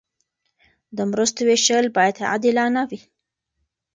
د مرستو ویشل باید عادلانه وي.